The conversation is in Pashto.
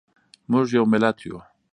موږ یو ملت یو